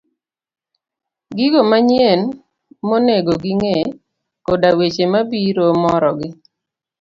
gigo manyien monego ging'e, koda weche mabiro morogi.